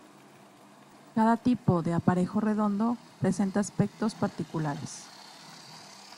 Cada tipo de aparejo redondo presenta aspectos particulares.